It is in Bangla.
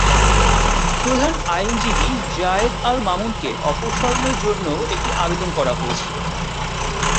প্রধান আইনজীবী জায়েদ-আল-মালুমকে অপসারণের জন্যও একটি আবেদন করা হয়েছিল।